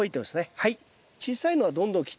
はい。